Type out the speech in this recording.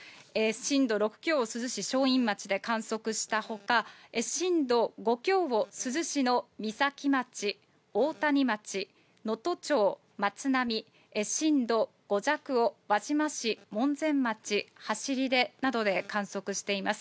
震度６強を珠洲市正院町で観測したほか、震度５強を珠洲市の三崎町、大谷町、能登町まつなみ、震度５弱を輪島市もんぜん町はしりでなどで観測しています。